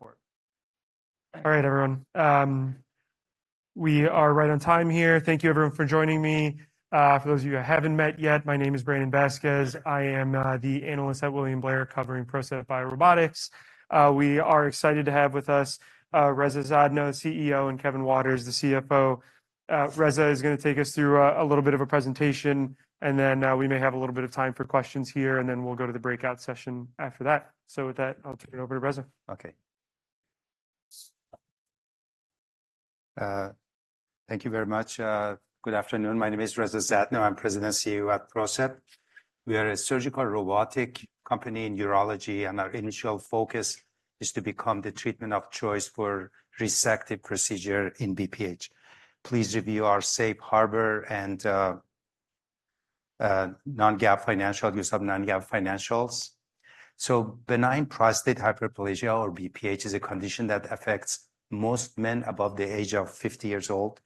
All right. All right, go forward. All right, everyone, we are right on time here. Thank you, everyone, for joining me. For those of you I haven't met yet, my name is Brandon Vazquez. I am the analyst at William Blair covering PROCEPT BioRobotics. We are excited to have with us Reza Zadno, the CEO, and Kevin Waters, the CFO. Reza is going to take us through a little bit of a presentation, and then we may have a little bit of time for questions here, and then we'll go to the breakout session after that. So with that, I'll turn it over to Reza. Okay. Thank you very much. Good afternoon. My name is Reza Zadno. I'm President and CEO at PROCEPT. We are a surgical robotic company in urology, and our initial focus is to become the treatment of choice for resective procedure in BPH. Please review our safe harbor and non-GAAP financial, use of non-GAAP financials. So benign prostatic hyperplasia, or BPH, is a condition that affects most men above the age of 50 years old.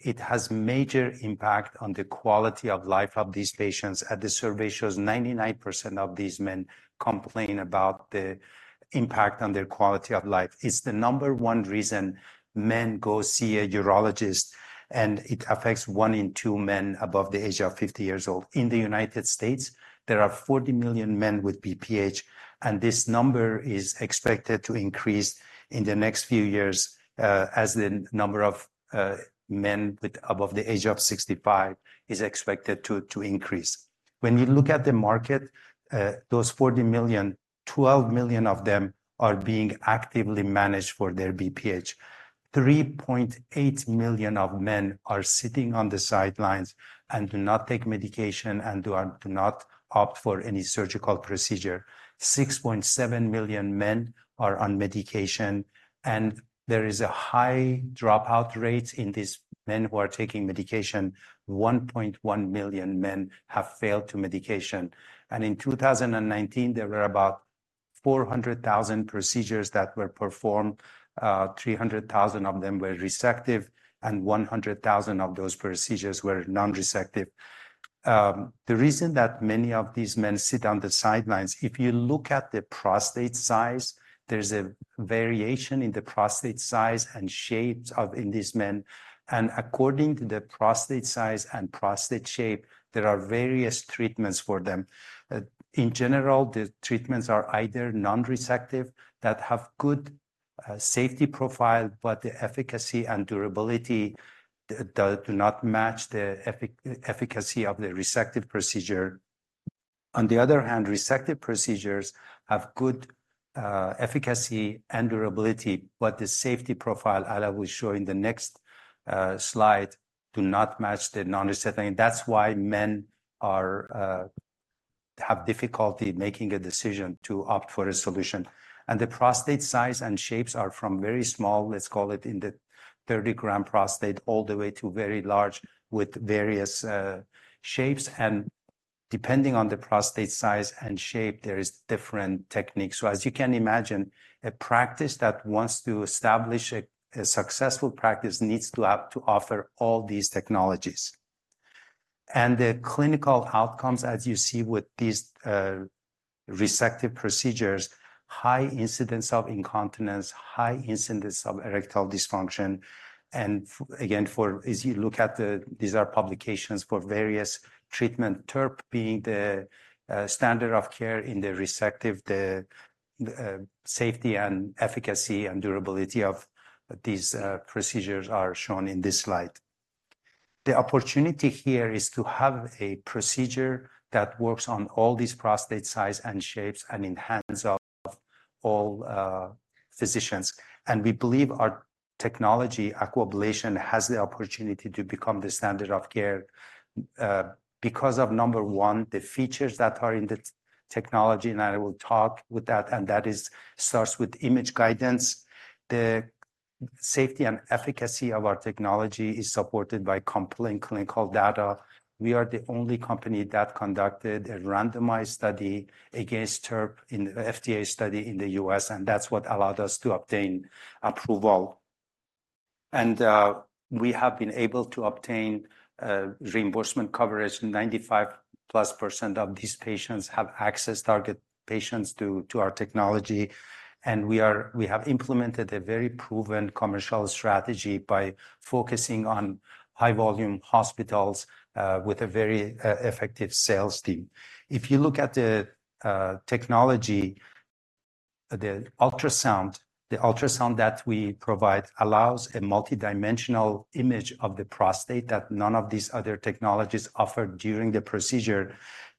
It has major impact on the quality of life of these patients, and the survey shows 99% of these men complain about the impact on their quality of life. It's the number one reason men go see a urologist, and it affects one in two men above the age of 50 years old. In the United States, there are 40 million men with BPH, and this number is expected to increase in the next few years, as the number of men with above the age of 65 is expected to increase. When you look at the market, those 40 million, 12 million of them are being actively managed for their BPH. 3.8 million men are sitting on the sidelines and do not take medication and do not opt for any surgical procedure. 6.7 million men are on medication, and there is a high dropout rate in these men who are taking medication. 1.1 million men have failed medication, and in 2019, there were about 400,000 procedures that were performed. 300,000 of them were resective, and 100,000 of those procedures were non-resective. The reason that many of these men sit on the sidelines, if you look at the prostate size, there's a variation in the prostate size and shapes of in these men, and according to the prostate size and prostate shape, there are various treatments for them. In general, the treatments are either non-resective, that have good safety profile, but the efficacy and durability do not match the efficacy of the resective procedure. On the other hand, resective procedures have good efficacy and durability, but the safety profile, as I will show in the next slide, do not match the non-resective. That's why men are have difficulty making a decision to opt for a solution. The prostate size and shapes are from very small, let's call it in the 30-gram prostate, all the way to very large, with various shapes, and depending on the prostate size and shape, there is different techniques. So as you can imagine, a practice that wants to establish a successful practice needs to have to offer all these technologies. And the clinical outcomes, as you see with these resective procedures, high incidence of incontinence, high incidence of erectile dysfunction, and again, for as you look at the. These are publications for various treatment, TURP being the standard of care in the resective, the safety and efficacy and durability of these procedures are shown in this slide. The opportunity here is to have a procedure that works on all these prostate size and shapes and in hands of all, physicians, and we believe our technology, Aquablation, has the opportunity to become the standard of care, because of, number one, the features that are in the technology, and I will talk with that, and starts with image guidance. The safety and efficacy of our technology is supported by compelling clinical data. We are the only company that conducted a randomized study against TURP in FDA study in the U.S., and that's what allowed us to obtain approval. And, we have been able to obtain, reimbursement coverage. 95%+ of these patients have access, target patients, to our technology, and we have implemented a very proven commercial strategy by focusing on high-volume hospitals with a very effective sales team. If you look at the technology, the ultrasound that we provide allows a multidimensional image of the prostate that none of these other technologies offer during the procedure.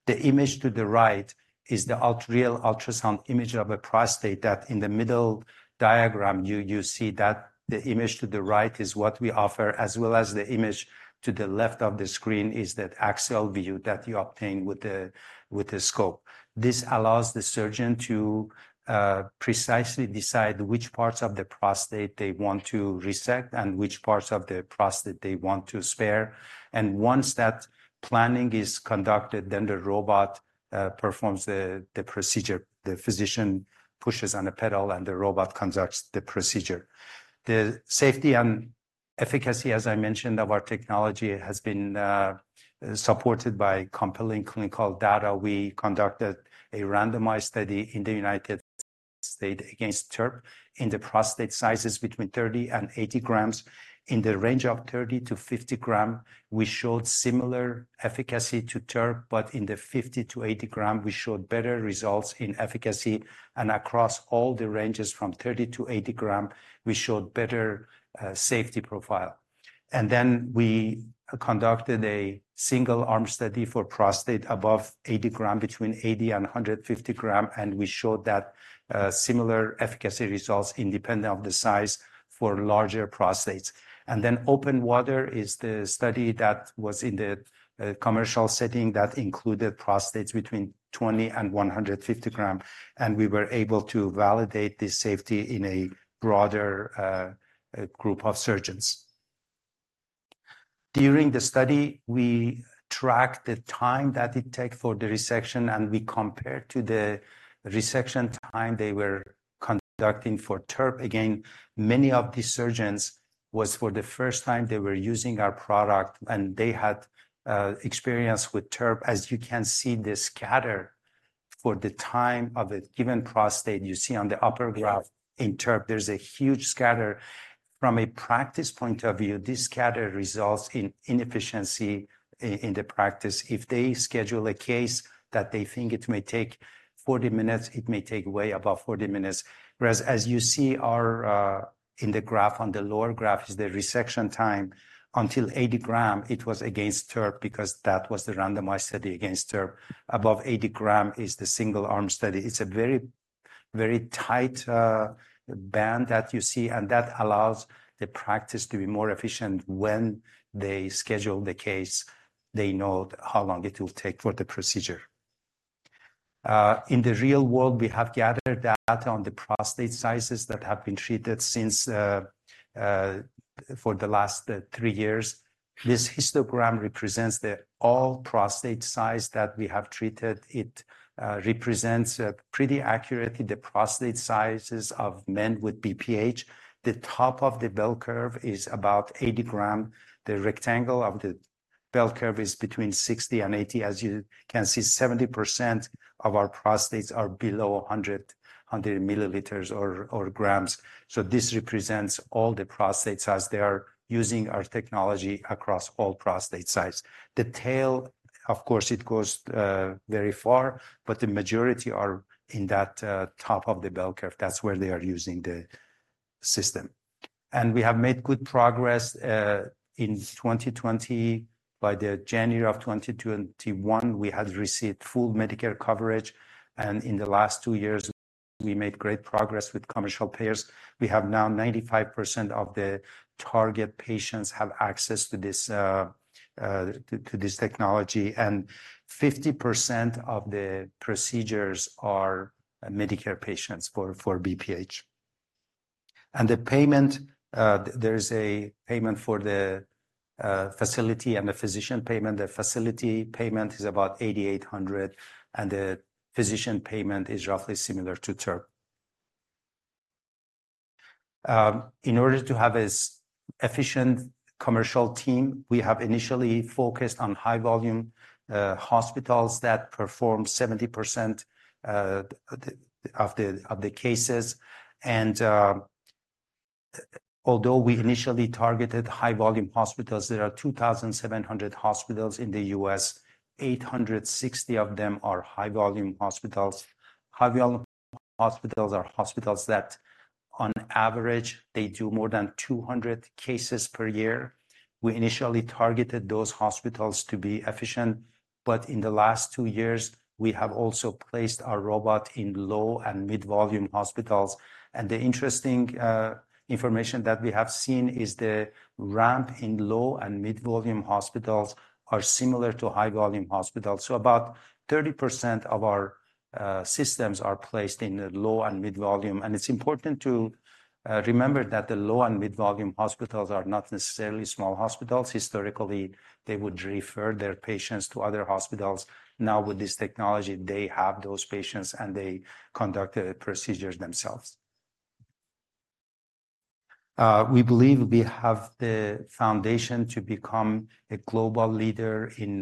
The image to the right is the real ultrasound image of a prostate, that in the middle diagram, you see that the image to the right is what we offer, as well as the image to the left of the screen is that axial view that you obtain with the scope. This allows the surgeon to precisely decide which parts of the prostate they want to resect and which parts of the prostate they want to spare. And once that planning is conducted, then the robot performs the procedure. The physician pushes on a pedal, and the robot conducts the procedure. The safety and efficacy, as I mentioned, of our technology has been supported by compelling clinical data. We conducted a randomized study in the United States against TURP in the prostate sizes between 30 and 80 grams. In the range of 30-50 gram, we showed similar efficacy to TURP, but in the 50-80 gram, we showed better results in efficacy, and across all the ranges from 30-80 gram, we showed better safety profile. Then we conducted a single-arm study for prostate above 80 gram, between 80 and 150 gram, and we showed that similar efficacy results independent of the size for larger prostates. Then OPEN WATER is the study that was in the commercial setting that included prostates between 20 and 150 gram, and we were able to validate the safety in a broader group of surgeons. During the study, we tracked the time that it take for the resection, and we compared to the resection time they were conducting for TURP. Again, many of these surgeons was for the first time they were using our product, and they had experience with TURP. As you can see, the scatter for the time of a given prostate, you see on the upper graph- Yeah In TURP, there's a huge scatter. From a practice point of view, this scatter results in inefficiency in, in the practice. If they schedule a case that they think it may take 40 minutes, it may take way above 40 minutes. Whereas as you see, our, in the graph, on the lower graph, is the resection time. Until 80 gram, it was against TURP because that was the randomized study against TURP. Above 80 gram is the single-arm study. It's a very, very tight, band that you see, and that allows the practice to be more efficient. When they schedule the case, they know how long it will take for the procedure. In the real world, we have gathered data on the prostate sizes that have been treated since, for the last three years. This histogram represents the all prostate size that we have treated. It represents pretty accurately the prostate sizes of men with BPH. The top of the bell curve is about 80 gram. The rectangle of the bell curve is between 60 and 80. As you can see, 70% of our prostates are below a hundred, hundred milliliters or, or grams. So this represents all the prostates as they are using our technology across all prostate size. The tail, of course, it goes very far, but the majority are in that top of the bell curve. That's where they are using the system. And we have made good progress in 2020. By the January of 2021, we had received full Medicare coverage, and in the last two years, we made great progress with commercial payers. We have now 95% of the target patients have access to this technology, and 50% of the procedures are Medicare patients for BPH. The payment, there is a payment for the facility and the physician payment. The facility payment is about $8,800, and the physician payment is roughly similar to TURP. In order to have as efficient commercial team, we have initially focused on high-volume hospitals that perform 70% of the cases, and although we initially targeted high-volume hospitals, there are 2,700 hospitals in the U.S. 860 of them are high-volume hospitals. High-volume hospitals are hospitals that, on average, they do more than 200 cases per year. We initially targeted those hospitals to be efficient, but in the last two years, we have also placed our robot in low and mid-volume hospitals. The interesting information that we have seen is the ramp in low and mid-volume hospitals are similar to high-volume hospitals. About 30% of our systems are placed in the low and mid-volume. It's important to remember that the low and mid-volume hospitals are not necessarily small hospitals. Historically, they would refer their patients to other hospitals. Now, with this technology, they have those patients, and they conduct the procedures themselves. We believe we have the foundation to become a global leader in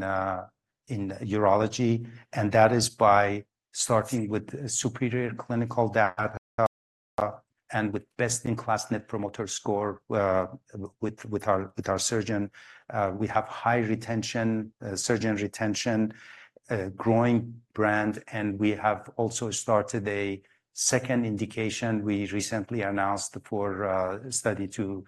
urology, and that is by starting with superior clinical data and with best-in-class Net Promoter Score with our surgeon. We have high retention, surgeon retention, a growing brand, and we have also started a second indication. We recently announced for a study to...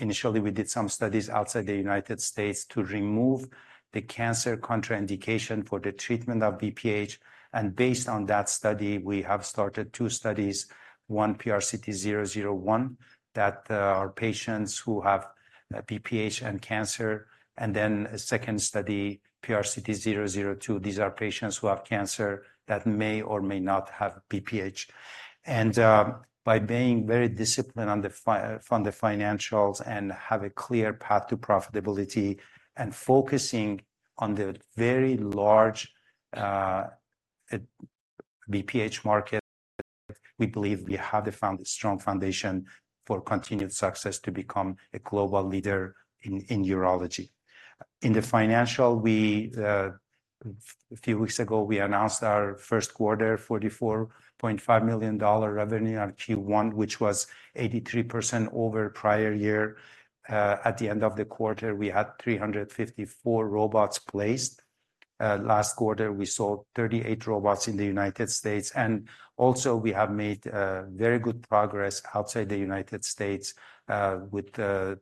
Initially, we did some studies outside the United States to remove the cancer contraindication for the treatment of BPH, and based on that study, we have started two studies: one, PRCT001, that are patients who have BPH and cancer, and then a second study, PRCT002. These are patients who have cancer that may or may not have BPH. And, by being very disciplined on the financials and have a clear path to profitability and focusing on the very large BPH market, we believe we have found a strong foundation for continued success to become a global leader in urology. In the financial, we, a few weeks ago, we announced our Q1, $44.5 million revenue on Q1, which was 83% over prior year. At the end of the quarter, we had 354 robots placed. Last quarter, we sold 38 robots in the United States, and also we have made, very good progress outside the United States, with the,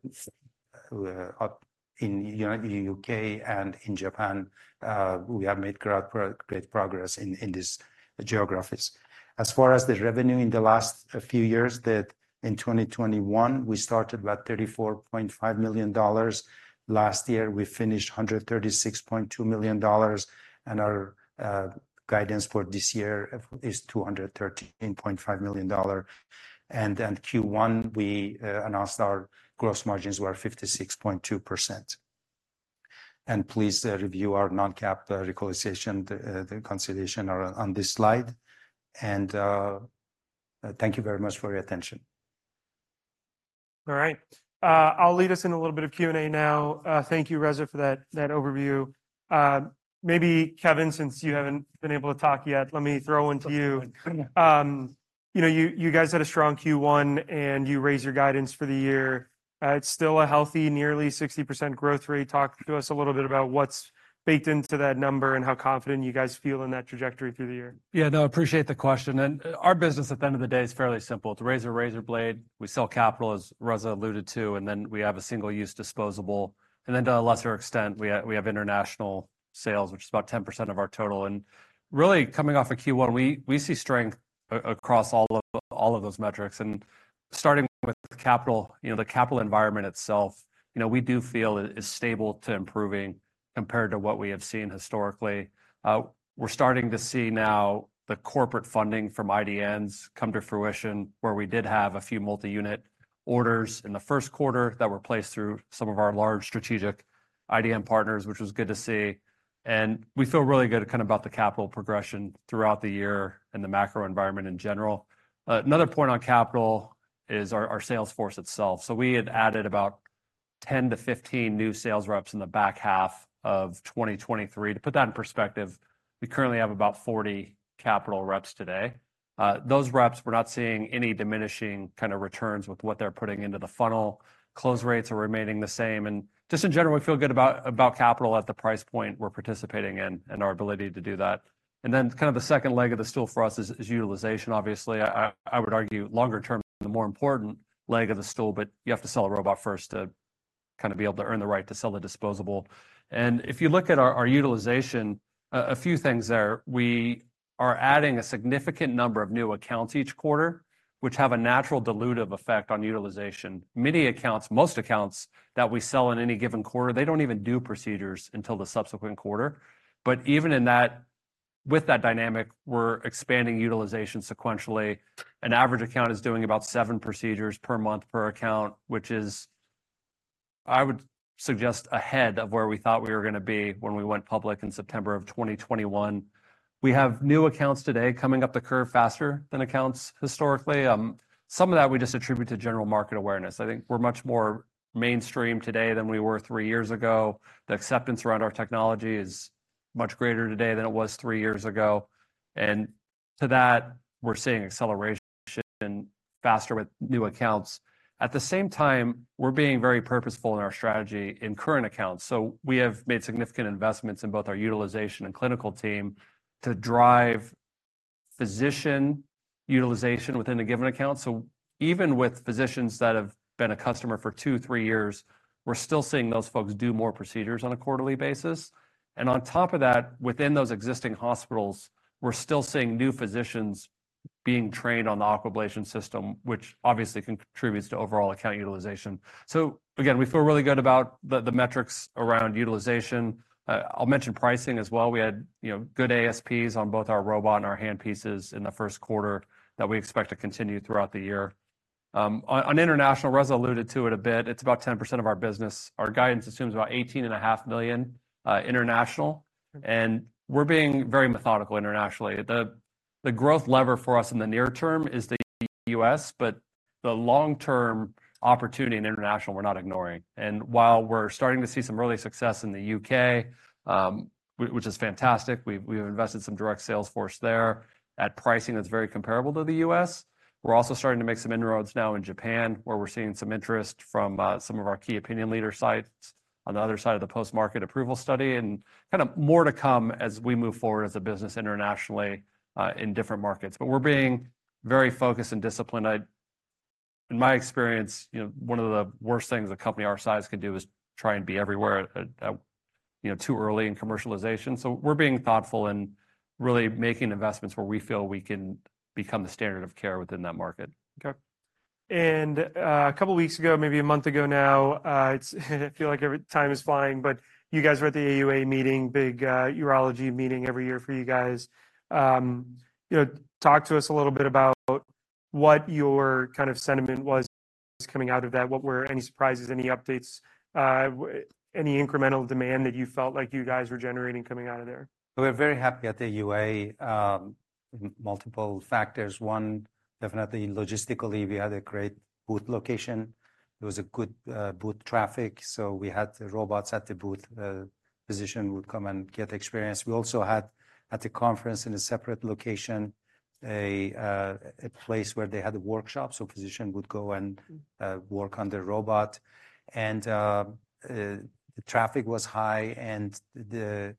up in United-- U.K. and in Japan. We have made great progress in, in these geographies. As far as the revenue in the last few years, that in 2021, we started about $34.5 million. Last year, we finished $136.2 million, and our, guidance for this year is $213.5 million. And then Q1, we announced our gross margins were 56.2%. And please review our non-GAAP reconciliation, the consolidation on this slide, and thank you very much for your attention. All right. I'll lead us in a little bit of Q&A now. Thank you, Reza, for that, that overview. Maybe Kevin, since you haven't been able to talk yet, let me throw one to you. You know, you, you guys had a strong Q1, and you raised your guidance for the year. It's still a healthy, nearly 60% growth rate. Talk to us a little bit about what's baked into that number and how confident you guys feel in that trajectory through the year. Yeah. No, I appreciate the question, and our business, at the end of the day, is fairly simple. It's a razor, razor blade. We sell capital, as Reza alluded to, and then we have a single-use disposable, and then, to a lesser extent, we have international sales, which is about 10% of our total. And really, coming off of Q1, we see strength across all of those metrics. And starting with capital, you know, the capital environment itself, you know, we do feel it is stable to improving compared to what we have seen historically. We're starting to see now the corporate funding from IDNs come to fruition, where we did have a few multi-unit orders in the Q1 that were placed through some of our large strategic IDN partners, which was good to see. And we feel really good kind of about the capital progression throughout the year and the macro environment in general. Another point on capital is our sales force itself. So we had added about 10-15 new sales reps in the back half of 2023. To put that in perspective, we currently have about 40 capital reps today. Those reps, we're not seeing any diminishing kind of returns with what they're putting into the funnel. Close rates are remaining the same, and just in general, we feel good about capital at the price point we're participating in and our ability to do that. And then kind of the second leg of the stool for us is utilization. Obviously, I would argue longer term, the more important leg of the stool, but you have to sell a robot first to kind of be able to earn the right to sell the disposable. And if you look at our utilization, a few things there. We are adding a significant number of new accounts each quarter, which have a natural dilutive effect on utilization. Many accounts, most accounts that we sell in any given quarter, they don't even do procedures until the subsequent quarter. But even in that with that dynamic, we're expanding utilization sequentially. An average account is doing about 7 procedures per month per account, which is, I would suggest, ahead of where we thought we were gonna be when we went public in September of 2021. We have new accounts today coming up the curve faster than accounts historically. Some of that we just attribute to general market awareness. I think we're much more mainstream today than we were three years ago. The acceptance around our technology is much greater today than it was three years ago, and to that, we're seeing acceleration faster with new accounts. At the same time, we're being very purposeful in our strategy in current accounts, so we have made significant investments in both our utilization and clinical team to drive physician utilization within a given account. So even with physicians that have been a customer for two, three years, we're still seeing those folks do more procedures on a quarterly basis. And on top of that, within those existing hospitals, we're still seeing new physicians being trained on the Aquablation system, which obviously contributes to overall account utilization. So again, we feel really good about the metrics around utilization. I'll mention pricing as well. We had, you know, good ASPs on both our robot and our handpieces in the Q1 that we expect to continue throughout the year. On international, Reza alluded to it a bit, it's about 10% of our business. Our guidance assumes about $18.5 million international, and we're being very methodical internationally. The growth lever for us in the near term is the U.S., but the long-term opportunity in international, we're not ignoring. And while we're starting to see some early success in the U.K., which is fantastic, we've invested some direct sales force there at pricing that's very comparable to the U.S. We're also starting to make some inroads now in Japan, where we're seeing some interest from some of our key opinion leader sites on the other side of the post-market approval study, and kind of more to come as we move forward as a business internationally in different markets. But we're being very focused and disciplined. In my experience, you know, one of the worst things a company our size can do is try and be everywhere at, you know, too early in commercialization. So we're being thoughtful and really making investments where we feel we can become the standard of care within that market. Okay. And, a couple of weeks ago, maybe a month ago now, I feel like every time is flying, but you guys were at the AUA meeting. Big, urology meeting every year for you guys. You know, talk to us a little bit about what your kind of sentiment was coming out of that? What were any surprises, any updates, any incremental demand that you felt like you guys were generating coming out of there? We're very happy at the AUA. Multiple factors. One, definitely logistically, we had a great booth location. It was a good booth traffic, so we had the robots at the booth. A physician would come and get experience. We also had, at the conference, in a separate location, a place where they had a workshop, so physician would go and work on the robot. The traffic was high, and the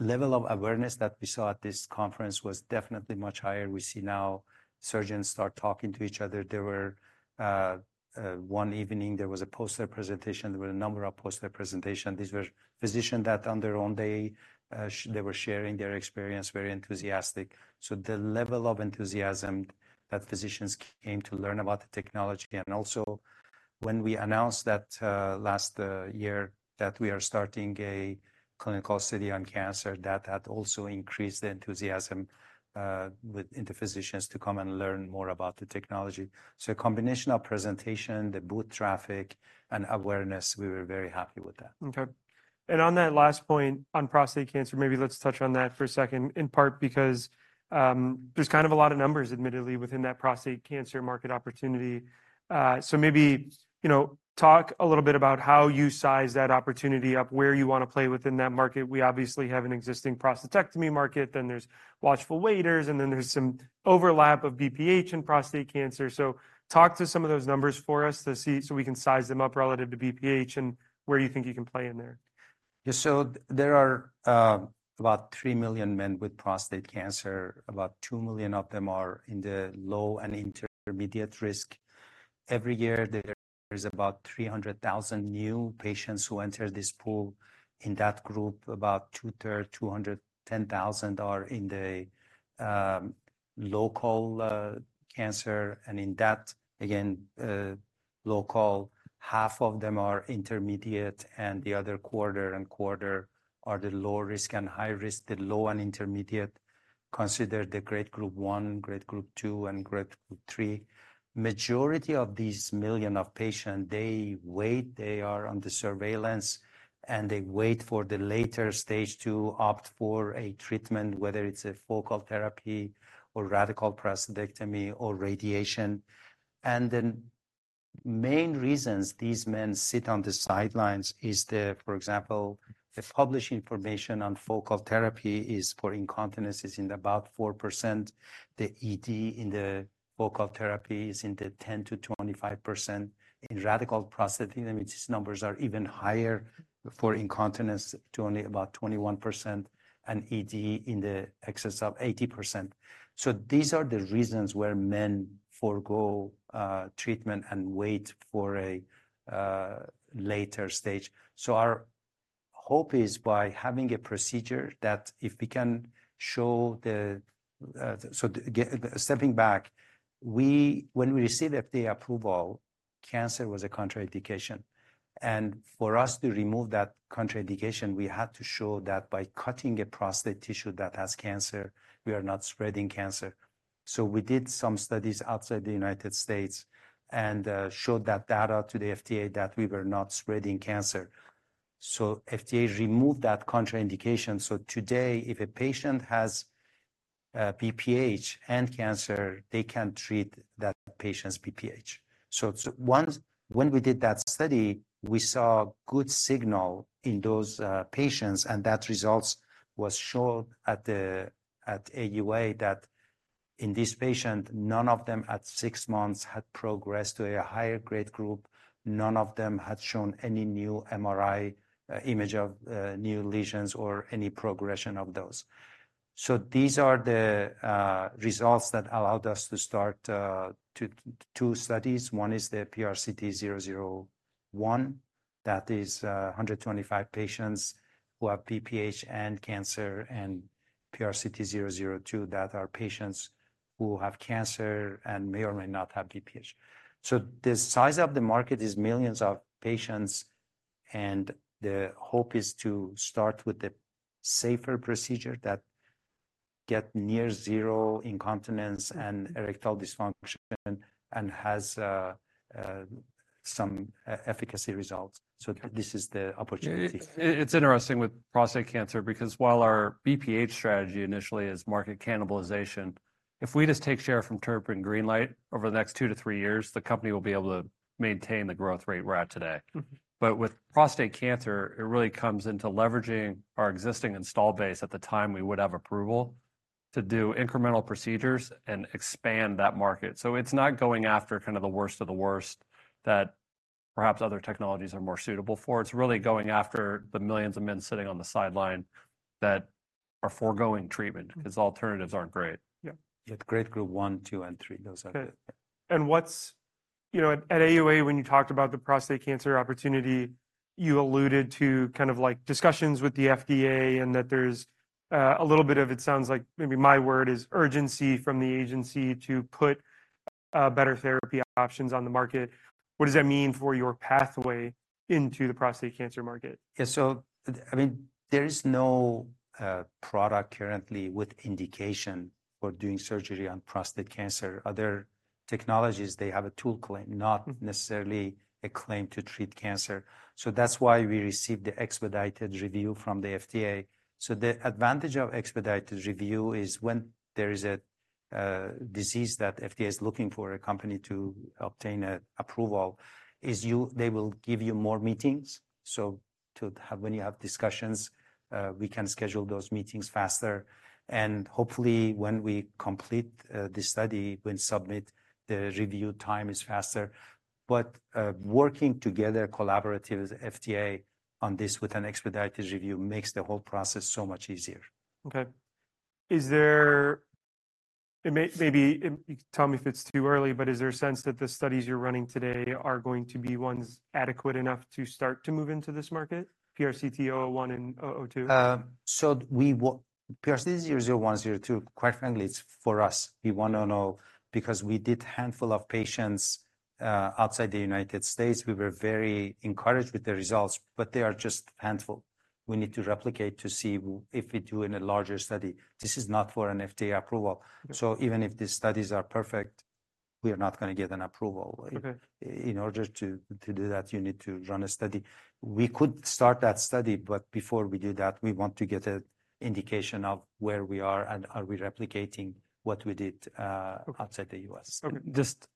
level of awareness that we saw at this conference was definitely much higher. We see now surgeons start talking to each other. There were one evening, there was a poster presentation. There were a number of poster presentation. These were physicians that on their own, they were sharing their experience, very enthusiastic. So the level of enthusiasm that physicians came to learn about the technology, and also when we announced that last year that we are starting a clinical study on cancer, that had also increased the enthusiasm in the physicians to come and learn more about the technology. So a combination of presentation, the booth traffic, and awareness, we were very happy with that. Okay, and on that last point, on prostate cancer, maybe let's touch on that for a second, in part because, there's kind of a lot of numbers, admittedly, within that prostate cancer market opportunity. So maybe, you know, talk a little bit about how you size that opportunity up, where you want to play within that market. We obviously have an existing prostatectomy market, then there's watchful waiters, and then there's some overlap of BPH and prostate cancer. So talk to some of those numbers for us to see, so we can size them up relative to BPH and where you think you can play in there. Yeah. There are about 3 million men with prostate cancer. About 2 million of them are in the low and intermediate risk. Every year, there is about 300,000 new patients who enter this pool. In that group, about two-thirds, 210,000 are in the local cancer, and in that, again, local, half of them are intermediate, and the other quarter and quarter are the low risk and high risk. The low and intermediate considered the Grade Group 1, Grade Group 2, and Grade Group 3. Majority of these millions of patients, they wait. They are under surveillance, and they wait for the later stage to opt for a treatment, whether it's a focal therapy or radical prostatectomy or radiation. The main reasons these men sit on the sidelines is the, for example, the published information on focal therapy is for incontinence, is in about 4%. The ED in the focal therapy is in the 10%-25%. In radical prostatectomy, these numbers are even higher for incontinence, to only about 21% and ED in the excess of 80%. So these are the reasons where men forgo treatment and wait for a later stage. So our hope is by having a procedure that if we can show the. So, stepping back, we when we received FDA approval, cancer was a contraindication, and for us to remove that contraindication, we had to show that by cutting a prostate tissue that has cancer, we are not spreading cancer. So we did some studies outside the United States and showed that data to the FDA, that we were not spreading cancer, so FDA removed that contraindication. So today, if a patient has BPH and cancer, they can treat that patient's BPH. So when we did that study, we saw a good signal in those patients, and that results was shown at AUA, that in this patient, none of them at six months had progressed to a higher grade group. None of them had shown any new MRI image of new lesions or any progression of those. So these are the results that allowed us to start two studies. One is the PRCT001. That is, 125 patients who have BPH and cancer, and PRCT002, that are patients who have cancer and may or may not have BPH. So the size of the market is millions of patients, and the hope is to start with the safer procedure that get near zero incontinence and erectile dysfunction and has some efficacy results. So this is the opportunity. It's interesting with prostate cancer because while our BPH strategy initially is market cannibalization, if we just take share from TURP and GreenLight over the next 2-3 years, the company will be able to maintain the growth rate we're at today. Mm-hmm. But with prostate cancer, it really comes into leveraging our existing install base at the time we would have approval, to do incremental procedures and expand that market. So it's not going after kind of the worst of the worst, that perhaps other technologies are more suitable for. It's really going after the millions of men sitting on the sideline that are forgoing treatment because alternatives aren't great. Yeah. Yeah, Grade Group 1, 2, and 3, those are- Okay. What's... You know, at AUA, when you talked about the prostate cancer opportunity, you alluded to kind of like discussions with the FDA, and that there's a little bit of, it sounds like maybe my word, is urgency from the agency to put better therapy options on the market. What does that mean for your pathway into the prostate cancer market? Yeah. So, I mean, there is no product currently with indication for doing surgery on prostate cancer. Other technologies, they have a tool claim, not necessarily a claim to treat cancer. So that's why we received the expedited review from the FDA. So the advantage of expedited review is when there is a disease that FDA is looking for a company to obtain an approval, is they will give you more meetings. So when you have discussions, we can schedule those meetings faster, and hopefully, when we complete the study, when submit, the review time is faster. But working together collaboratively with FDA on this, with an expedited review, makes the whole process so much easier. Okay. Is there... And maybe tell me if it's too early, but is there a sense that the studies you're running today are going to be ones adequate enough to start to move into this market, PRCT001 and PRCT002? So we PRCT001, 002, quite frankly, it's for us. We want to know, because we did handful of patients outside the United States. We were very encouraged with the results, but they are just handful. We need to replicate to see if we do in a larger study. This is not for an FDA approval. Okay. Even if the studies are perfect, we are not gonna get an approval. Okay. In order to do that, you need to run a study. We could start that study, but before we do that, we want to get an indication of where we are, and are we replicating what we did? Okay... outside the U.S. Just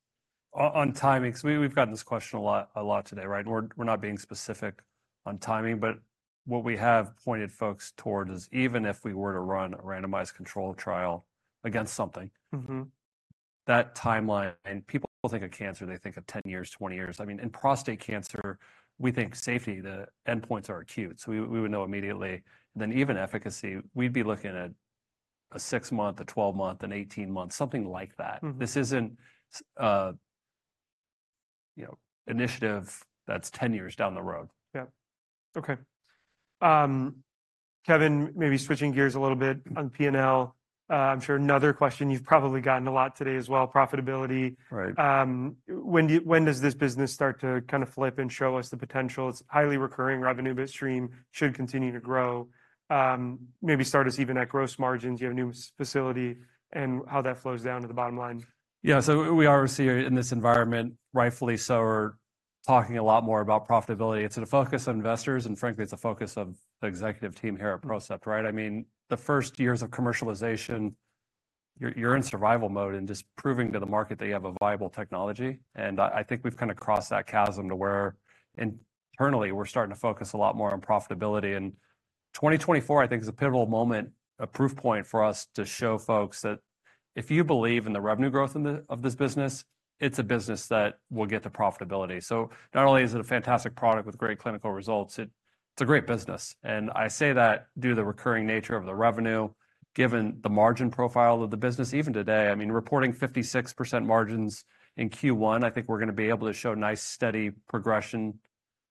on timing, 'cause we've gotten this question a lot, a lot today, right? We're not being specific on timing, but what we have pointed folks towards is, even if we were to run a randomized controlled trial against something- Mm-hmm... that timeline, and people think of cancer, they think of 10 years, 20 years. I mean, in prostate cancer, we think safety, the endpoints are acute, so we would know immediately. Then even efficacy, we'd be looking at a 6-month, a 12-month, an 18-month, something like that. Mm. This isn't, you know, initiative that's 10 years down the road. Yeah. Okay. Kevin, maybe switching gears a little bit on P&L. I'm sure another question you've probably gotten a lot today as well, profitability. Right. When does this business start to kinda flip and show us the potential? It's highly recurring revenue, but stream should continue to grow. Maybe start us even at gross margins. You have a new facility, and how that flows down to the bottom line. Yeah, so we are obviously in this environment, rightfully so, are talking a lot more about profitability. It's in the focus of investors, and frankly, it's a focus of the executive team here at PROCEPT, right? I mean, the first years of commercialization, you're in survival mode and just proving to the market that you have a viable technology, and I think we've kinda crossed that chasm to where internally, we're starting to focus a lot more on profitability. And 2024, I think, is a pivotal moment, a proof point for us to show folks that if you believe in the revenue growth of this business, it's a business that will get to profitability. So not only is it a fantastic product with great clinical results, it's a great business. And I say that due to the recurring nature of the revenue, given the margin profile of the business, even today, I mean, reporting 56% margins in Q1, I think we're gonna be able to show nice, steady progression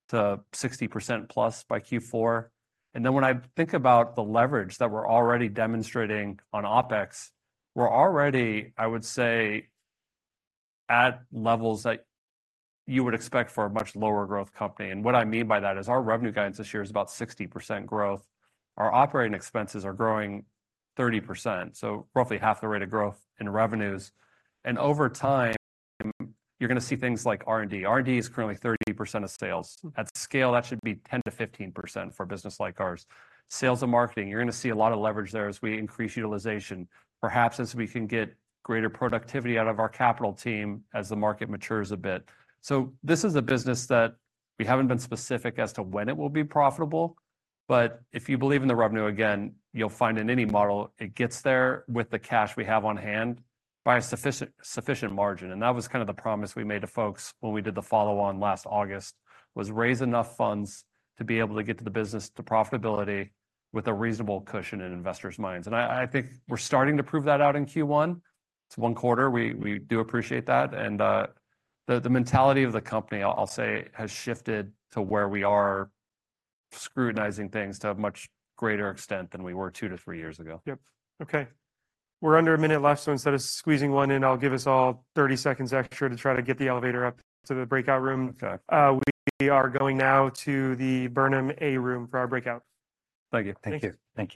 to 60%+ by Q4. And then, when I think about the leverage that we're already demonstrating on OpEx, we're already, I would say, at levels that you would expect for a much lower growth company. And what I mean by that is, our revenue guidance this year is about 60% growth. Our operating expenses are growing 30%, so roughly half the rate of growth in revenues. And over time, you're gonna see things like R&D. R&D is currently 30% of sales. Mm. At scale, that should be 10%-15% for a business like ours. Sales and marketing, you're gonna see a lot of leverage there as we increase utilization, perhaps as we can get greater productivity out of our capital team as the market matures a bit. So this is a business that we haven't been specific as to when it will be profitable, but if you believe in the revenue, again, you'll find in any model, it gets there with the cash we have on hand by a sufficient margin. And that was kinda the promise we made to folks when we did the follow-on last August, was raise enough funds to be able to get to the business to profitability with a reasonable cushion in investors' minds. And I think we're starting to prove that out in Q1. It's one quarter; we do appreciate that. The mentality of the company, I'll say, has shifted to where we are scrutinizing things to a much greater extent than we were 2-3 years ago. Yep, okay. We're under 1 minute left, so instead of squeezing one in, I'll give us all 30 seconds extra to try to get the elevator up to the breakout room. Okay. We are going now to the Burnham A room for our breakout. Thank you. Thank you. Thank you.